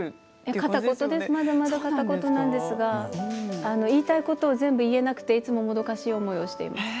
片言です、まだまだ片言なんですが言いたいことを全部言えなくて、いつももどかしい思いをしています。